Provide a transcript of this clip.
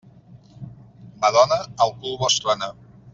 Madona, el cul vos trona.